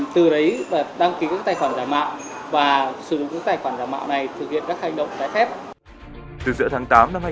từ đấy đăng ký các tài khoản giải mạo và sử dụng các tài khoản giải mạo này thực hiện các hành động giải phép